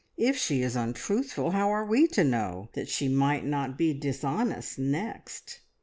If she is untruthful, how are we to know that she might not be dishonest next!"